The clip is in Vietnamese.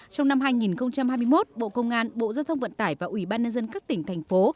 trong năm hai nghìn hai mươi một bộ công an bộ giao thông vận tải và ủy ban nhân dân các tỉnh thành phố